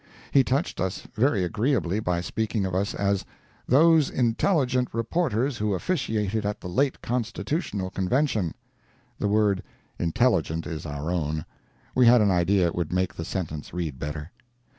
He touched us very agreeably by speaking of us as "those intelligent reporters who officiated at the late Constitutional Convention." [The word "intelligent" is our own. We had an idea it would make the sentence read better.